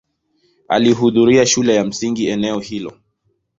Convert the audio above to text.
Alihudhuria shule ya msingi eneo hilo.